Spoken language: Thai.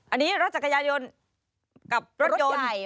อันนี้รถจักรยานยนต์กับรถไก่